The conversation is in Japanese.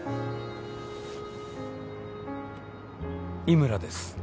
「井村です」